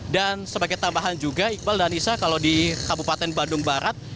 dan sebagai tambahan juga iqbal dan isa kalau di kabupaten bandung barat